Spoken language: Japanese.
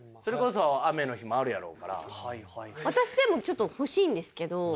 私でもちょっと欲しいんですけど。